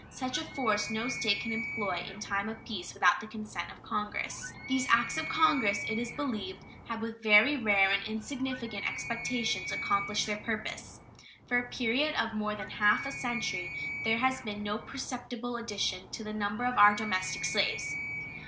Such a force no State can employ in time of peace without the consent of Congress. These acts of Congress, it is believed, have, with very rare and insignificant exceptions, accomplished their purpose. For a period of more than half a century there has been no perceptible addition to the number of our domestic slaves.